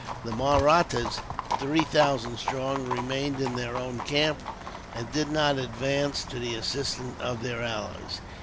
The Mahrattas, three thousand strong, remained in their own camp, and did not advance to the assistance of their allies.